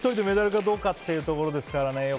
メダルかどうかっていうところでしたからね。